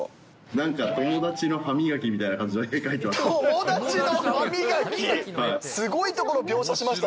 なんか、友達の歯磨きみたいな感じの絵を描いていました。